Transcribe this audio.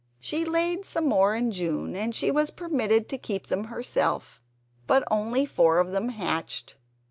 She laid some more in June, and she was permitted to keep them herself: but only four of them hatched.